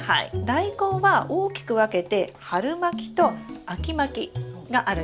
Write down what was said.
ダイコンは大きく分けて春まきと秋まきがあるんです。